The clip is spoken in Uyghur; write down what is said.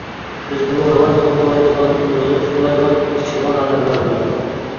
بىزدىمۇ ناماز ئوقۇمايدىغان، روزا تۇتمايدىغان، ئىچىدىغان ئادەملەر بار.